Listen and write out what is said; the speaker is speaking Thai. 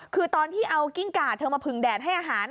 คือตอนที่เอากิ้งกาดเธอมาผึงแดดให้อาหาร